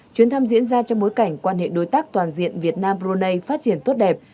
chuyến thăm diễn ra trong bối cảnh quan hệ đối tác toàn diện việt nam brunei phát triển tốt đẹp